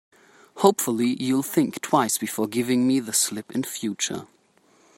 Hopefully, you'll think twice before giving me the slip in future.